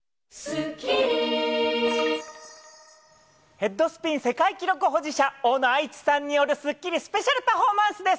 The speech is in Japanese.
ヘッドスピン世界記録保持者・大野愛地さんによる『スッキリ』スペシャルパフォーマンスです。